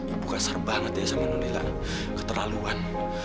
ibu kasar banget ya sama non lila keterlaluan